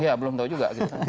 iya belum tahu juga